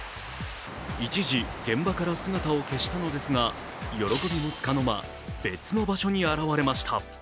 一時現場から姿を消したのですが、喜びもつかの間、別の場所に現れました。